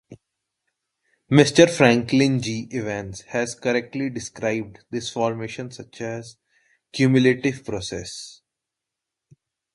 Mr. Franklen G. Evans has correctly described this formation as a cumulative process.